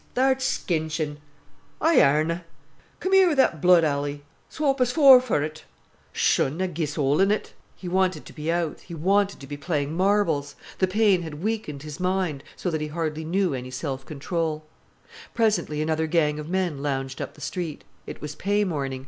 "Tha'rt skinchin'!" "I arena!" "Come 'ere with that blood alley." "Swop us four for't." "Shonna, gie's hold on't." He wanted to be out, he wanted to be playing marbles. The pain had weakened his mind, so that he hardly knew any self control. Presently another gang of men lounged up the street. It was pay morning.